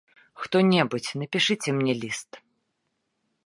Хто-небудзь, напішыце мне ліст!